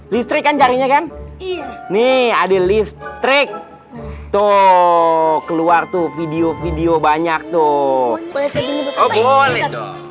listrik ancarinya kan nih ada listrik tuh keluar tuh video video banyak tuh boleh